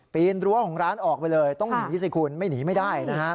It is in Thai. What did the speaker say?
นรั้วของร้านออกไปเลยต้องหนีสิคุณไม่หนีไม่ได้นะฮะ